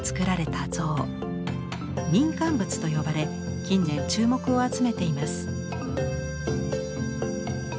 「民間仏」と呼ばれ近年注目を集めています。